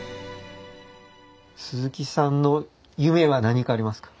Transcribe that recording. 鈴木さんの夢は何かありますか？